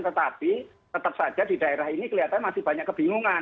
tetapi tetap saja di daerah ini kelihatan masih banyak kebingungan